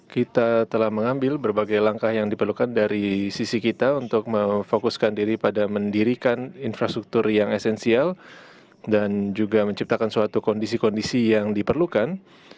kita telah mengambil berbagai langkah yang diperlukan dari sisi kita untuk memfokuskan diri pada mendirikan infrastruktur yang esensial dan juga menciptakan suatu kondisi kondisi yang diperlukan